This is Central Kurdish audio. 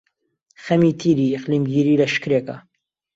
خەمی تیری ئیقلیمگیری لەشکرێکە،